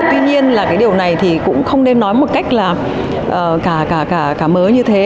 tuy nhiên là cái điều này thì cũng không nên nói một cách là cả mớ như thế